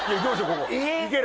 ここいける！